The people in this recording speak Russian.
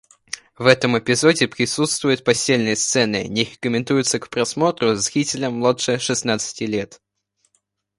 В этом эпизоде присутствуют постельные сцены, не рекомендуется к просмотру зрителям младше шестнадцати лет.